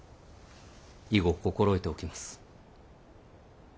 以後心得ておきます。